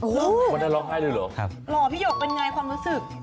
หรอพี่หยกความรู้สึกเป็นไง